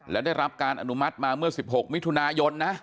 และได้รับการอนุมัติมาเมื่อ๑๖มิถุนายนนะ